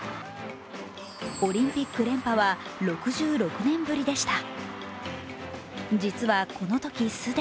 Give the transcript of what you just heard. オリンピック連覇は６６年ぶりでした。